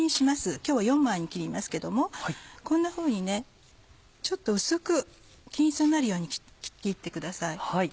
今日は４枚に切りますけどもこんなふうにちょっと薄く均一になるように切ってください。